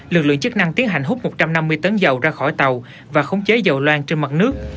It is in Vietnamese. lực lượng chức năng tiến hành hút một trăm năm mươi tấn dầu ra khỏi tàu và khống chế dầu loan trên mặt nước